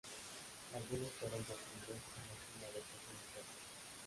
Algunos fueron construidos en la cima de pequeños cerros.